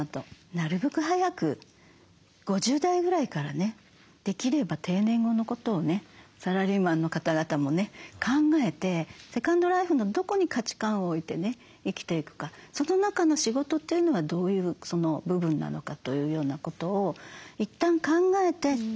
なるべく早く５０代ぐらいからねできれば定年後のことをねサラリーマンの方々もね考えてセカンドライフのどこに価値観を置いてね生きていくかその中の仕事というのがどういう部分なのかというようなことをいったん考えて。